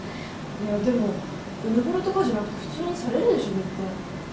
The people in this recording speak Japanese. いやでもうぬぼれとかじゃなくて普通にされるでしょ絶対。